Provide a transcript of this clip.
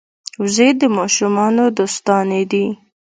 وزې د ماشومانو دوستانې دي